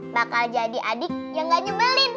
bakal jadi adik yang gak nyembelin